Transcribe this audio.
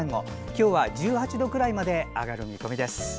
今日は１８度くらいまで上がる見込みです。